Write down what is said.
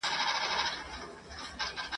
اوس آخره زمانه ده په انسان اعتبار نسته ..